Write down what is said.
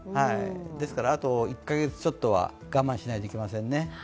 ですから、あと１カ月ちょっとは我慢しないといけませんね。